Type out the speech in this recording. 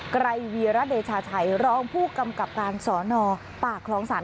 ไกรวีระเดชาชัยรองผู้กำกับการสอนอปากคลองศาล